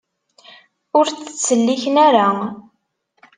Ur tt-ttselliken ara.